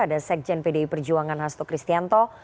ada sekjen pdi perjuangan hasto kristianto